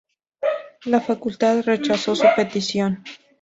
La facultad rechazó su petición.